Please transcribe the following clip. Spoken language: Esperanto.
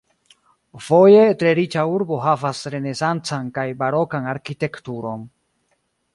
Foje tre riĉa urbo havas renesancan kaj barokan arkitekturon.